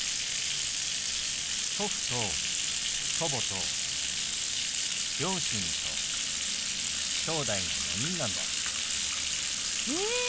祖父と祖母と両親ときょうだいが４人なんだ。え！